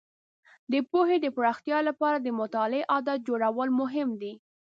د پوهې د پراختیا لپاره د مطالعې عادت جوړول مهم دي.